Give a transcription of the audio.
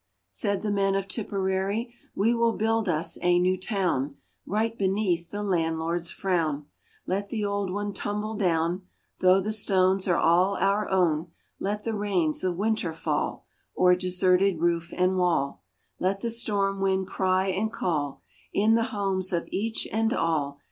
Said the men of Tipperary :" We will build us a new town Right beneath the landlord's frown, — Let the old one tumble down Though the stones are all our own, Let the rains of winter fall O'er deserted roof and wall, Let the storm wind cry and call In the homes of each and all